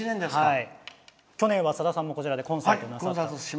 去年は、さださんもこちらでコンサートをなさって。